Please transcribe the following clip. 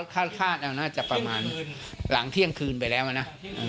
คาดเอาน่าจะประมาณหลังเที่ยงคืนไปแล้วอะนะ